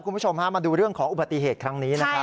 คุณผู้ชมฮะมาดูเรื่องของอุบัติเหตุครั้งนี้นะครับ